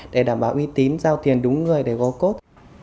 để đảm bảo uy tím giao tiền đúng người để góp cốt